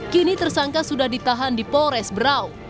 kini tersangka sudah ditahan di polres berau